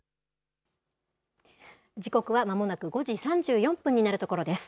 時刻はまもなく５時３４分になるところです。